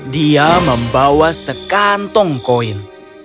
dia membawa sekantong koin